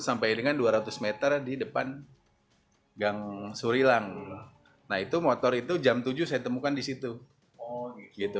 sampai dengan dua ratus m di depan gang surilang nah itu motor itu jam tujuh saya temukan disitu gitu